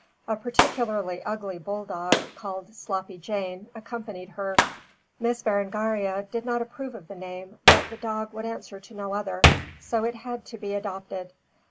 A particularly ugly bull dog, called Sloppy Jane, accompanied her. Miss Berengaria did not approve of the name, but the dog would answer to no other, so it had to be adopted.